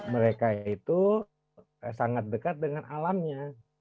mereka itu sangat dekat dengan alamnya